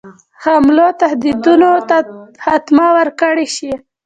حملو تهدیدونو ته خاتمه ورکړه شي.